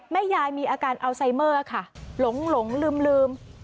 แม่ยายมีอาการอัลไซเมอร์ค่ะหลงลืม